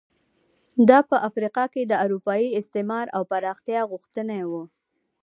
دا په افریقا کې د اروپایي استعمار او پراختیا غوښتنې وو.